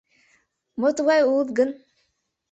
— Мо тугай улыт гын?